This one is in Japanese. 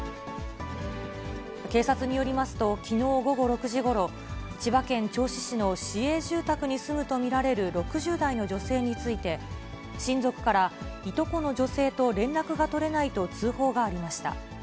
警察によりますと、きのう午後６時ごろ、千葉県銚子市の市営住宅に住むと見られる６０代の女性について、親族からいとこの女性と連絡が取れないと通報がありました。